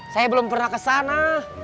saya belum pernah kesana